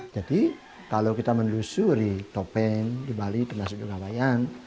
jadi kalau kita mendusuri topeng di bali termasuk juga bayang